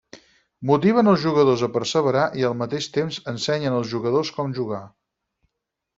Motiven els jugadors a perseverar i al mateix temps ensenyen els jugadors com jugar.